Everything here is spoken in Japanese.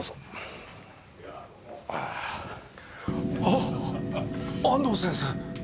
あっ安藤先生！？